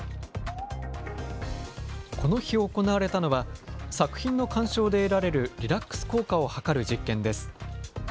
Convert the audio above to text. この日、行われたのは、作品の鑑賞で得られるリラックス効果を計る実験です。